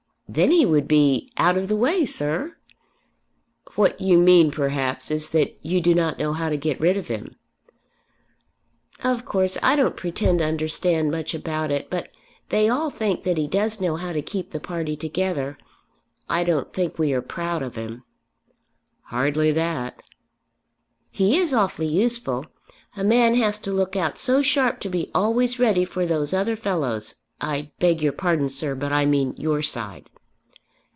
"Then he would be, out of the way, sir." "What you mean perhaps is that you do not know how to get rid of him." "Of course I don't pretend to understand much about it; but they all think that he does know how to keep the party together. I don't think we are proud of him." "Hardly that." "He is awfully useful. A man has to look out so sharp to be always ready for those other fellows! I beg your pardon, sir, but I mean your side."